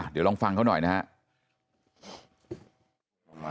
เดี๋ยวลองฟังเขาหน่อยนะครับ